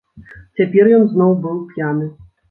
Цяпер ён зноў быў п'яны.